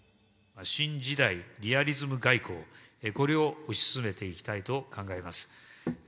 新時代リアリズム外交、これを推し進めていきたいと考えます。